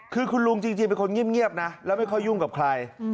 คือคุณลุงจริงเป็นคนเงียบนะแล้วไม่ค่อยยุ่งกับใคร